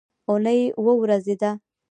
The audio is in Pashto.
اونۍ اووه ورځې ده